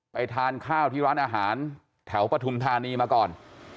ทานข้าวที่ร้านอาหารแถวปฐุมธานีมาก่อน